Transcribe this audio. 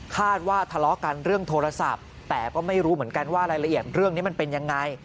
คาดว่าทะเลาะกันเรื่องโทรศัพท์แต่ก็ไม่รู้เหมือนกันว่ารายละเอียดเรื่องนี้มันเป็นยังไง